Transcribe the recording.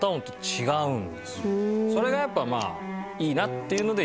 それがやっぱまあいいなっていうので一応。